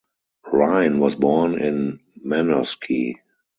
Reyne was born in Manosque.